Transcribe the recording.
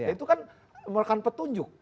itu kan merupakan petunjuk